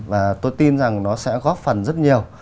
và tôi tin rằng nó sẽ góp phần rất nhiều